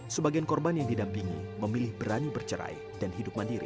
sebagian korban yang didampingi memilih berani bercerai dan hidup mandiri